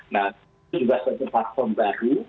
nah ini juga satu platform baru